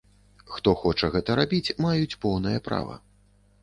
Хто хоча гэта рабіць, маюць поўнае права.